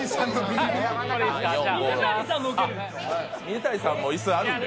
水谷さんも椅子、あるんで。